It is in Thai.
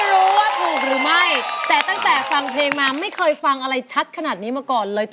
รู้ว่าถูกหรือไม่แต่ตั้งแต่ฟังเพลงมาไม่เคยฟังอะไรชัดขนาดนี้มาก่อนเลย